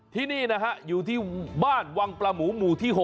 ที่นี่นะฮะอยู่ที่บ้านวังปลาหมูหมู่ที่๖